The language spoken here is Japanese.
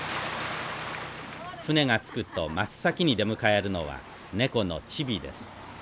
船が着くと真っ先に出迎えるのは猫のチビです。